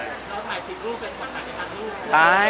ก็มีใครถ่าย๑๐๐๐รูปแล้วจริงเรื่องรูปพี่หนุ่มกฎาวนี้